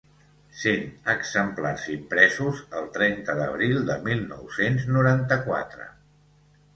Cent exemplars impresos el trenta d'abril de mil nou-cents noranta-quatre.